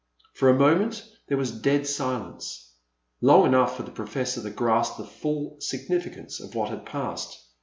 For a moment there was dead silence, — long enough for the Professor to grasp the full signifi cance of what had passed.